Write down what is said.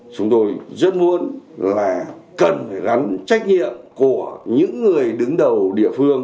chúng tôi rất muốn là cần phải gắn trách nhiệm của những người đứng đầu địa phương